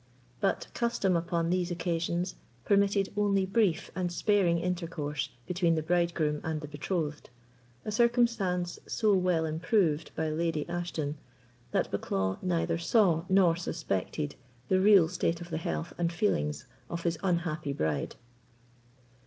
But custom, upon these occasions, permitted only brief and sparing intercourse between the bridegroom and the betrothed; a circumstance so well improved by Lady Ashton, that Bucklaw neither saw nor suspected the real state of the health and feelings of his unhappy bride.